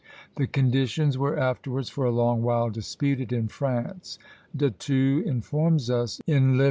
The conditions were afterwards for a long while disputed in France." De Thou informs us, in lib.